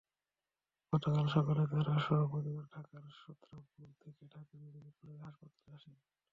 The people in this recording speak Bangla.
গতকাল সকালে তাঁরা সপরিবার ঢাকার সূত্রাপুর থেকে ঢাকা মেডিকেল কলেজ হাসপাতালে আসেন।